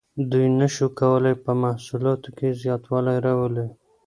دوی نشو کولی په محصولاتو کې زیاتوالی راولي.